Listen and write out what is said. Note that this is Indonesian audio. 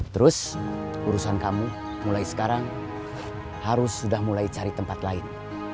terus urusan kamu mulai sekarang harus sudah mulai cari tempat lain